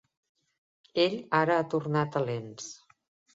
Ell ara ha tornat a Lens.